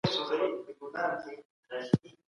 د خوړو مسمومیت د حفظ الصحې د نه پاملرنې یوه لویه نښه ده.